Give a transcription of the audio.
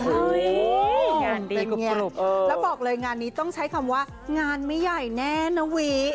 งานเป็นไงแล้วบอกเลยงานนี้ต้องใช้คำว่างานไม่ใหญ่แน่นะวิ